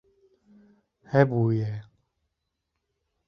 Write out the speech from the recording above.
Hebûye